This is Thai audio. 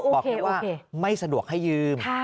บอกเลยว่าไม่สะดวกให้ยืม